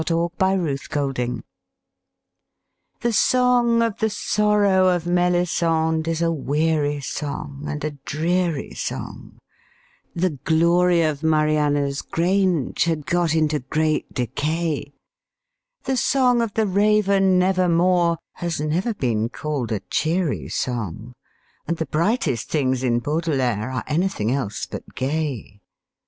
The Song Against Songs The song of the sorrow of Melisande is a weary song and a dreary song, The glory of Mariana's grange had got into great decay, The song of the Raven Never More has never been called a cheery song, And the brightest things in Baudelaire are anything else but gay.